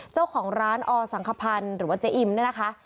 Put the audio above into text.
เจ้าของร้านอสังขพันธ์หรือว่าเจ๊อิมเนี่ยนะคะ